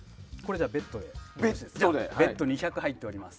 ベット２００入っています。